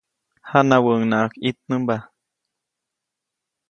Janawäʼuŋnaʼajk ʼitnämba.